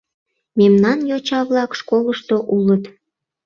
— Мемнан йоча-влак школышто улыт.